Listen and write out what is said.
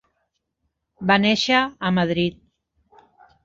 Va néixer a Madrid.